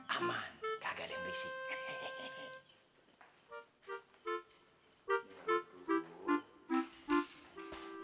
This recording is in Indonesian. aman kagak ada yang bisik